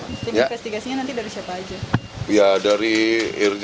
tim investigasinya nanti dari siapa aja